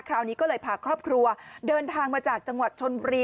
คราวนี้ก็เลยพาครอบครัวเดินทางมาจากจังหวัดชนบุรี